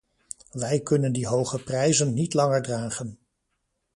Wij kunnen die hoge prijzen niet langer dragen.